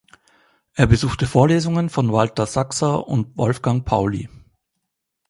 Er besuchte Vorlesungen von Walter Saxer und Wolfgang Pauli.